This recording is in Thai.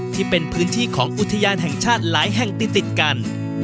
ที่เป็นพื้นที่ของอุทยานแห่งชาติหลายแห่งติดกัน